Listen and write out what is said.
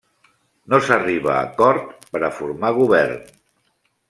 No s'arriba a acord per a formar govern.